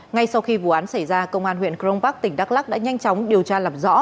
ngay sau khi vụ án xảy ra công an huyện crong park tỉnh đắk lắc đã nhanh chóng điều tra làm rõ